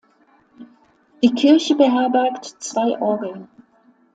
Die Kirche beherbergt zwei Orgeln.